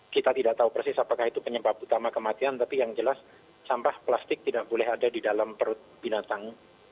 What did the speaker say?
kita tidak tahu persis apakah itu penyebab utama kematian tapi yang jelas sampah plastik tidak boleh ada di dalam perut binatang